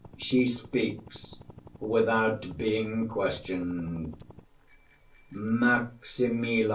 She speaks without being questioned_:) MAXIMILLA.